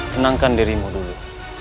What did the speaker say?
senangkan dirimu dulu